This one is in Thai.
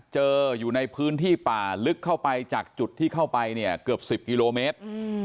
อยู่ในพื้นที่ป่าลึกเข้าไปจากจุดที่เข้าไปเนี่ยเกือบ๑๐กิโลเมตร